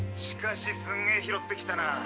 しかしすげえ拾ってきたな。